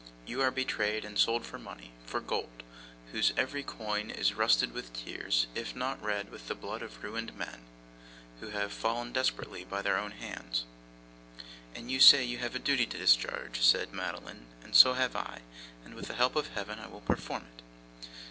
You are betrayed and sold for money; for gold, whose every coin is rusted with tears, if not red with the blood of ruined men, who have fallen desperately by their own mad hands.' 'You say you have a duty to discharge,' said Madeline, 'and so have I. And with the help of Heaven I will perform it.